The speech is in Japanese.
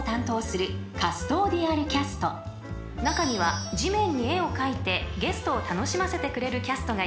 ［中には地面に絵を描いてゲストを楽しませてくれるキャストがいます］